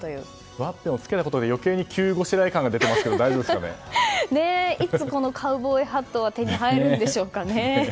ワッペンを付けたことで急ごしらえ感が出ていますがいつ、カウボーイハットは手に入るんでしょうかね。